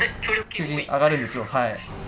上がるんですよ、はい。